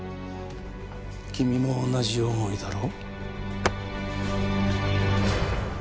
君も同じ思いだろう？